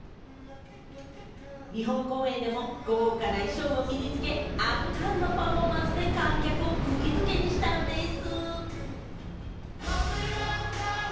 日本公演でも豪華な衣装を身に着け、圧巻のパフォーマンスで観客を釘付けにしたんでぃす！